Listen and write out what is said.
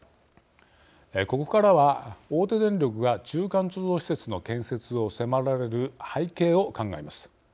ここからは、大手電力が中間貯蔵施設の建設を迫られる背景を考えます。